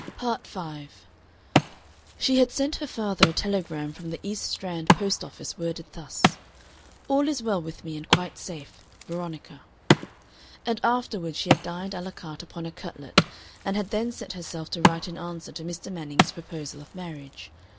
Part 5 She had sent her father a telegram from the East Strand post office worded thus: | All | is | well | with | me |||||||| and | quite | safe | Veronica || and afterward she had dined a la carte upon a cutlet, and had then set herself to write an answer to Mr. Manning's proposal of marriage.